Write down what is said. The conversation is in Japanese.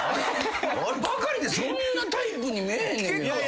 バカリってそんなタイプに見えへんねんけど。